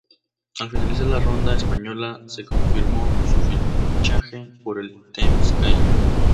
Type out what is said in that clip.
Al finalizar la ronda española, se confirmó su fichaje por el Team Sky.